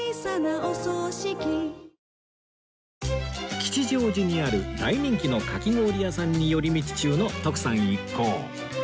吉祥寺にある大人気のかき氷屋さんに寄り道中の徳さん一行